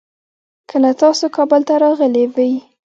کله تاسو کابل ته راغلې وي؟